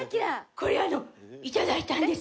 これあの頂いたんです。